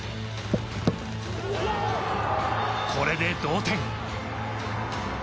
これで同点。